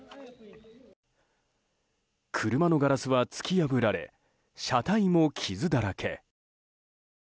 車のガラスは突き破られ車体も傷だらけ。